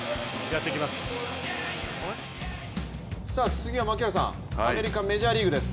次は槙原さん、アメリカメジャーリーグです。